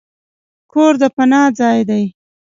کور د پناه ځای دی.